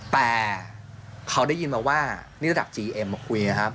แต่เขาได้ยินมาว่านี่สถานการณ์มาคุยนะครับ